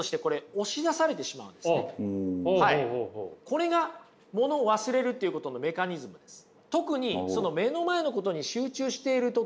これがものを忘れるっていうことのメカニズムです。